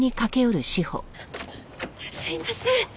すいません。